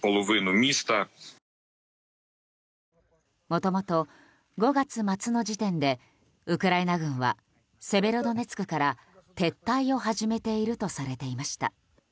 もともと５月末の時点でウクライナ軍はセベロドネツクから撤退を始めているとされていました。